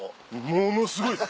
ものすごいです。